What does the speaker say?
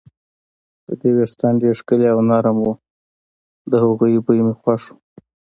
د دې وېښتان ډېر ښکلي او نرم وو، د هغې بوی مې خوښ و.